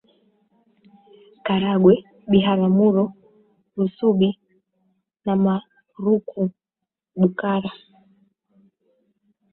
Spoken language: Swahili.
Karagwe Biharamulo Rusubi na Maruku Bukara